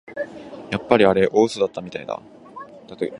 やっぱりあれ大うそだったみたいだ